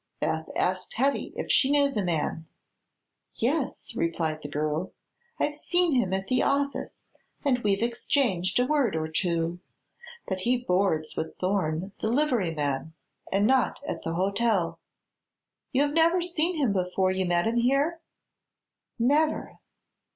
Beth asked Hetty if she knew the man. "Yes," replied the girl; "I've seen him at the office and we've exchanged a word or two. But he boards with Thorne, the liveryman, and not at the hotel." "You have never seen him before you met him here?" "Never."